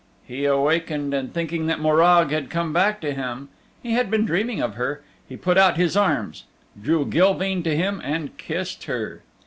He awakened, and thinking that Morag had come back to him (he had been dreaming of her), he put out his arms, drew Gilveen to him and kissed her.